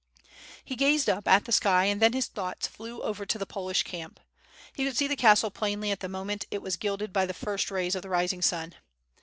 He gazed up at the sky and then his thoughts flew over to the Polish camp. He could see the castle plainly at the moment it was gilded by the first rays of the rising sun.